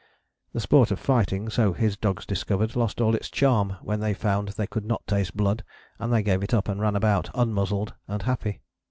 The sport of fighting, so his dogs discovered, lost all its charm when they found they could not taste blood, and they gave it up, and ran about unmuzzled and happy.